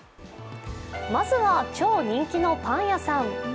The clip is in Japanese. まずは、超人気のパン屋さん。